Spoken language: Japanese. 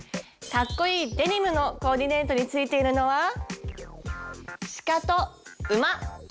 かっこいいデニムのコーディネートについているのはシカと馬。